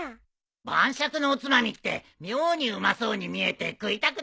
晩酌のおつまみって妙にうまそうに見えて食いたくなっちまうんだよな。